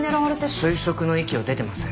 推測の域を出てません。